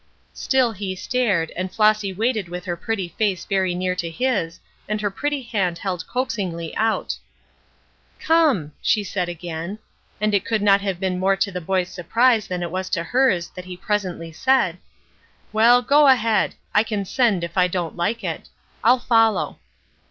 Still he stared, and Flossy waited with her pretty face very near to his, and her pretty hand held coaxingly out. "Come," she said again. And it could not have been more to the boy's surprise than it was to hers that he presently said: "Well, go ahead. I can send if I don't like it. I'll follow."